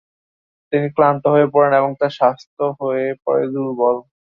তিনি ক্লান্ত হয়ে পড়েন এবং তার স্বাস্থ্য হয়ে পড়ে দুর্বল।